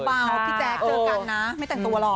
เบาพี่แจ๊คเจอกันนะไม่แต่งตัวหรอก